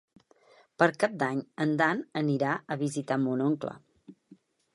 Per Cap d'Any en Dan anirà a visitar mon oncle.